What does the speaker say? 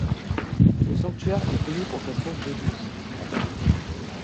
Le sanctuaire est connu pour sa source d'eau douce.